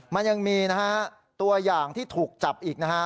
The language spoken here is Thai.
มันยังมีนะฮะตัวอย่างที่ถูกจับอีกนะฮะ